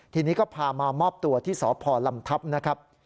ทีนี้ก็พามามอบตัวที่สพลำทัพนะครับ